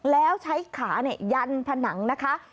แล้วใช้ขายันผนังนะคะ